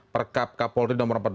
perkap kapolri nomor empat puluh